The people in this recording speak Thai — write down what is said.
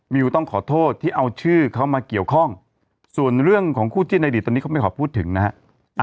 ต้องขอโทษที่เอาชื่อเขามาเกี่ยวข้องส่วนเรื่องของคู่จิ้นในอดีตตอนนี้เขาไม่ขอพูดถึงนะฮะ